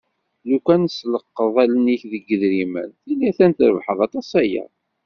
Lukan tlesqeḍ allen-ik deg yidrimen tili a-t-an trebḥeḍ aṭas aya.